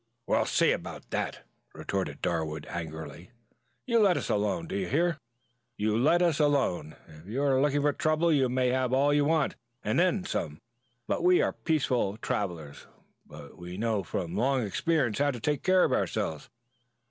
"We'll see about that," retorted Darwood angrily. "You let us alone! Do you hear? You let us alone! If you are looking for trouble you may have all you want and then some more besides. We are peaceable travelers, but we know from long experience how to take care of ourselves.